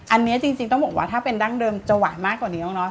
อันนี้จริงต้องบอกว่าถ้าเป็นดั้งเดิมจะหวานมากกว่านี้แล้วเนาะ